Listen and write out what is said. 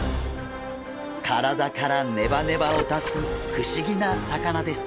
体からネバネバを出す不思議な魚です。